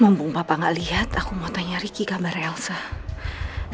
mumpung papa gak liat iku mau tanya riki gambar edson